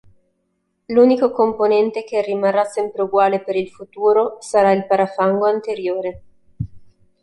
L'unico componente che rimarrà sempre uguale per il futuro sarà il parafango anteriore.